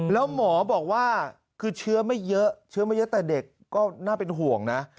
แล้วหมอบอกว่าคือเชื้อไม่เยอะเชื้อไม่เยอะแต่เด็กก็น่าเป็นห่วงนะ